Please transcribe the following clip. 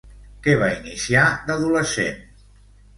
Què va iniciar d'adolescent?